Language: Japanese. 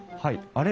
あれ？